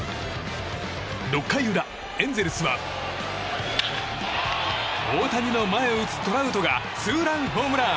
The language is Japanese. ６回裏、エンゼルスは大谷の前を打つトラウトがツーランホームラン！